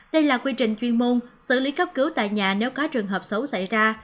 đây là quy trình chuyên môn xử lý cấp cứu tại nhà nếu có trường hợp xấu xảy ra